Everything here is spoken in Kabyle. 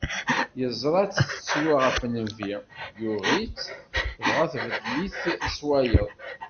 Yeẓra-tt tettru ɣef nnbi, yuɣ-itt, dɣa tbeddel-it s wayeḍ.